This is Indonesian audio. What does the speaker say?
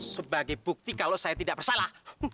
sebagai bukti kalau saya tidak bersalah